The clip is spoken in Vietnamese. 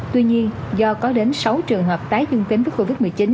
tuy nhiên do có đến sáu trường hợp tái dương tính với covid một mươi chín